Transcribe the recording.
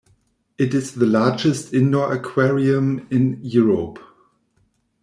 It is the largest indoor aquarium in Europe.